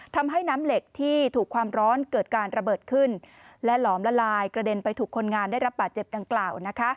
ทำให้น้ำเหล็กที่ถูกความร้อนเกิดการระเบิดขึ้นและหลอมละลายกระเด็นไปถูกคนงานได้รับบาดเจ็บดังกล่าว